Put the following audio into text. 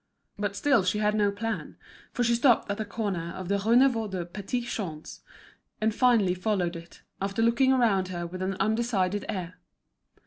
But still she had no plan, for she stopped at the corner of the Rue Neuve des Petits Champs, and finally followed it, after looking around her with an undecided air.